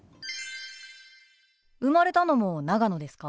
生まれたのも長野ですか？